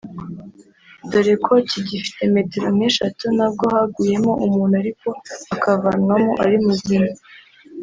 dore ko kigifite metero nk’eshatu nabwo haguyemo umuntu ariko akavanwamo ari muzima